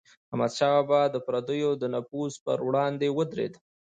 احمدشاه بابا به د پردیو د نفوذ پر وړاندې ودرید.